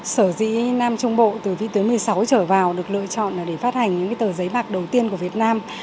sở dĩ nam trung bộ từ vị tuyến một mươi sáu trở vào được lựa chọn để phát hành những tờ giấy bạc đầu tiên của việt nam